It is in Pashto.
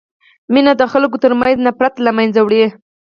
مینه د خلکو ترمنځ نفرت له منځه وړي.